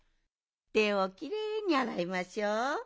てをきれいにあらいましょう。